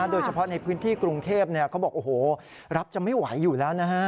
โดยเฉพาะในพื้นที่กรุงเทพเขาบอกโอ้โหรับจะไม่ไหวอยู่แล้วนะฮะ